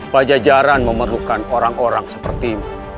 pajajaran memerlukan orang orang seperti